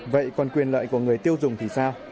vậy còn quyền lợi của người tiêu dùng thì sao